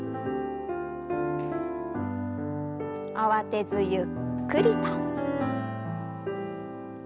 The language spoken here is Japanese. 慌てずゆっくりと。